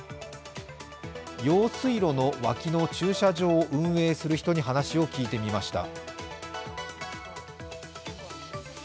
用水路の脇の駐車場を運営する人に話を聞いてみました。